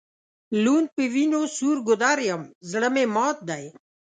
لوند په وینو سور ګودر یم زړه مي مات دی